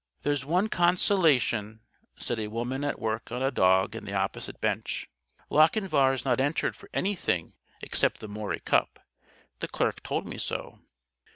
"There's one consolation," said a woman at work on a dog in the opposite bench, "Lochinvar's not entered for anything except the Maury Cup. The clerk told me so."